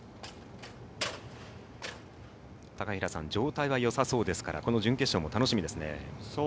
状態はよさそうですからこの準決勝も楽しみですね。